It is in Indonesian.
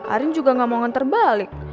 arin juga gak mau nganter balik